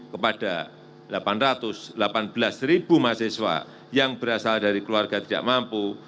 kepada delapan ratus delapan belas ribu mahasiswa yang berasal dari keluarga tidak mampu